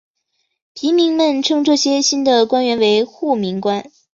平民们称这些新的官员为护民官。